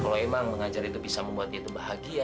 kalau memang mengajar itu bisa membuat dia bahagia